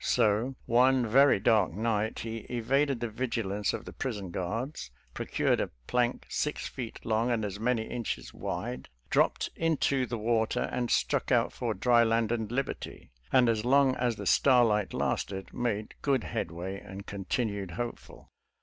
So, one very dark night he evaded the vigilance of the prison guards, pro cured a plank six. feet long and as many inches wide,i idropped into; the water and struck out for dry land and liberty, and as long as the star light; lasted made, good headway; and continued hopeful.